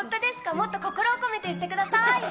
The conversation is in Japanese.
もっと心を込めて言ってください。